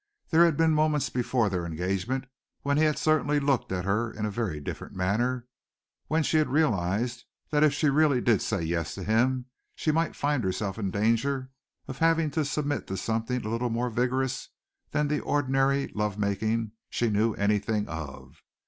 There had been moments before their engagement when he had certainly looked at her in a very different manner, when she had realized that if she really did say "yes" to him, she might find herself in danger of having to submit to something a little more vigorous than the ordinary love making she knew anything of.